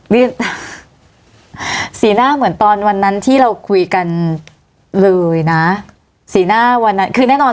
นี่สีหน้าเหมือนตอนวันนั้นที่เราคุยกันเลยนะสีหน้าวันนั้นคือแน่นอน